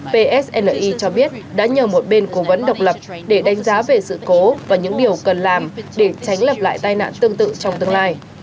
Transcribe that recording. psni cho biết đã nhờ một bên cố vấn độc lập để đánh giá về sự cố và những điều cần làm để tránh lập lại tai nạn tương tự trong tương lai